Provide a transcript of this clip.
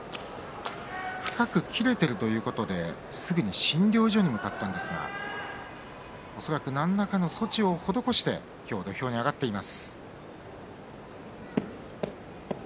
深く切れているということですぐに診療所に向かったんですが恐らく何らかの処置を施して今日、土俵に上がっています。